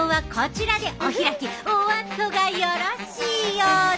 お後がよろしいようで。